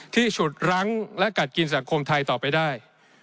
ฉุดรั้งและกัดกินสังคมไทยต่อไปได้